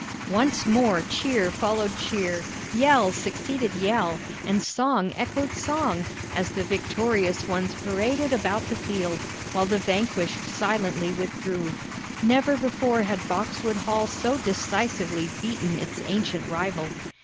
Once more cheer followed cheer, yell succeeded yell, and song echoed song, as the victorious ones paraded about the field, while the vanquished silently withdrew. Never before had Boxwood Hall so decisively beaten its ancient rival.